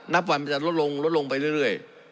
นับวันมันจะลดลงลดลงไปเรื่อย